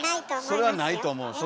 それはないと思う。